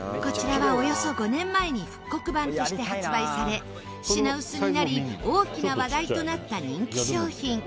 こちらはおよそ５年前に復刻版として発売され品薄になり大きな話題となった人気商品。